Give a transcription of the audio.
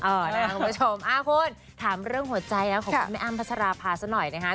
ขอบคุณผู้ชมคุณถามเรื่องหัวใจของคุณอ้ามพัชราภาษณ์สักหน่อย